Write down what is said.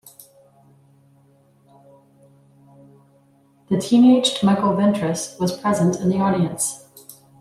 The teenaged Michael Ventris was present in the audience.